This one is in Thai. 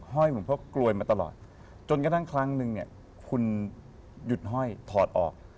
ห้อยผมเพราะกลวยมาตลอดจนกระทั่งครั้งหนึ่งคุณหยุดห้อยถอดออก